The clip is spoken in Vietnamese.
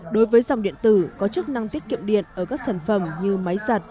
đối với dòng điện tử có chức năng tiết kiệm điện ở các sản phẩm như máy giặt